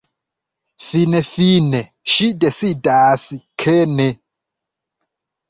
Finfine ŝi decidas, ke «Ne.